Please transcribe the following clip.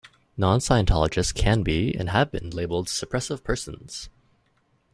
Non-Scientologists can be and have been labelled Suppressive Persons.